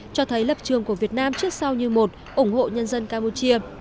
cho thấy lập trường của việt nam trước sau như một ủng hộ nhân dân campuchia